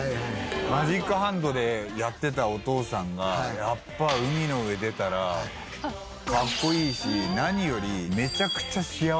マジックハンドでやってたお父さんがやっぱ海の上出たらかっこいいし何より。